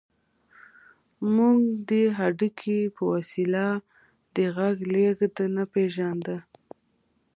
موږ د هډوکي په وسیله د غږ لېږد نه پېژانده